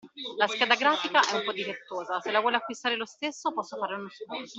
La scheda grafica è un po' difettosa, se la vuole acquistare lo stesso posso farle uno sconto.